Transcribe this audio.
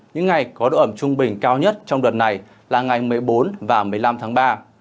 những ngày có độ ẩm trung bình cao nhất trong đợt này là ngày một mươi bốn và một mươi năm tháng ba